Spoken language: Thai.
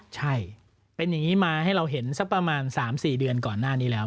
ใช่เป็นอย่างนี้มาให้เราเห็นสักประมาณ๓๔เดือนก่อนหน้านี้แล้ว